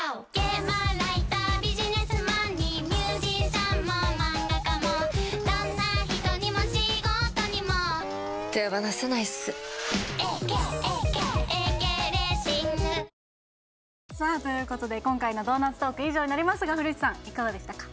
さあということで今回の「ドーナツトーク」以上になりますが古市さんいかがでしたか？